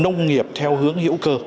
nông nghiệp theo hướng hữu cơ